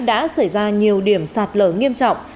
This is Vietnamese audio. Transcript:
đã xảy ra nhiều điểm sạt lở nghiêm trọng